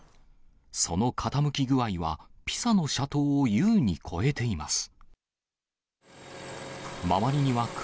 その傾き具合は、ピサの斜塔を優に超えています。